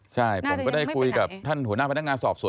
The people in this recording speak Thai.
ใช่ผมก็ได้คุยกับท่านหัวหน้าพนักงานสอบสวน